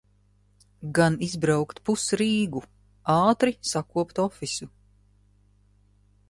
Gan izbraukt pus Rīgu. Ātri sakopu ofisu.